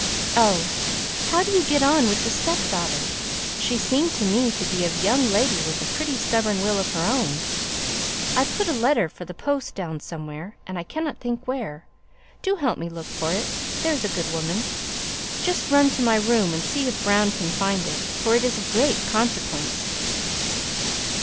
Oh! how do you get on with the stepdaughter? She seemed to me to be a young lady with a pretty stubborn will of her own. I put a letter for the post down somewhere, and I cannot think where; do help me look for it, there's a good woman. Just run to my room, and see if Brown can find it, for it is of great consequence."